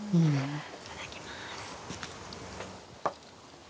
いただきます。